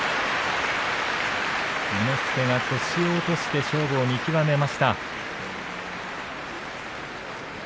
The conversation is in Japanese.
伊之助が腰を落として勝負を見極めました。